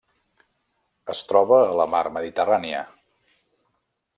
Es troba a la Mar Mediterrània.